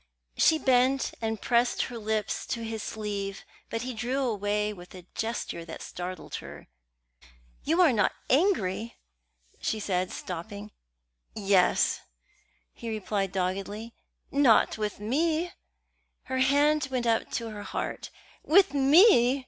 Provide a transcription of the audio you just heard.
She bent and pressed her lips to his sleeve; but he drew away with a gesture that startled her. "You are not angry?" she said, stopping. "Yes," he replied doggedly. "Not with me?" Her hand went to her heart. "With me!"